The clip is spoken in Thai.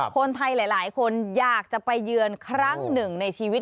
คนไทยหลายคนอยากจะไปเยือนครั้งหนึ่งในชีวิต